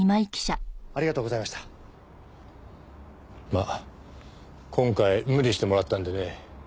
まあ今回無理してもらったんでね。